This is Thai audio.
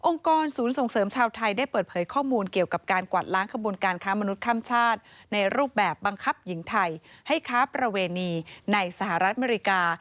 ศูนย์ส่งเสริมชาวไทยได้เปิดเผยข้อมูลเกี่ยวกับการกวาดล้างขบวนการค้ามนุษย์ข้ามชาติในรูปแบบบังคับหญิงไทยให้ค้าประเวณีในสหรัฐอเมริกา